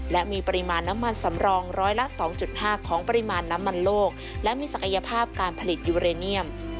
และมีปริมาณน้ำมันสำรองร้อยละ๒๕ของปริมาณน้ำมันโลกและมีศักยภาพการผลิตยูเรเนียม